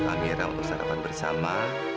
amira apa kabarnya